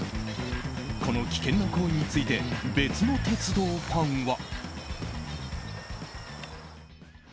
この危険な行為について別の鉄道ファンは。